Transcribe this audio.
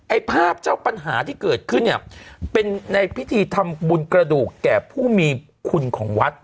ไอ้ภาพเจ้าปัญหาที่เกิดขึ้นเนี่ยเป็นในพิธีทำบุญกระดูกแก่ผู้มีคุณของวัด